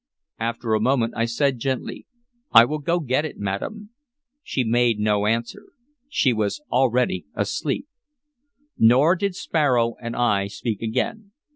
After a moment I said gently, "I will go get it, madam." She made no answer; she was already asleep. Nor did Sparrow and I speak again.